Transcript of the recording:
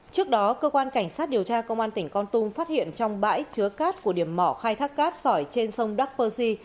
trước đó cơ quan cảnh sát điều tra công an tỉnh con tum phát hiện trong bãi chứa cát của điểm mỏ khai thác cát sỏi trên sông đắk pơ xi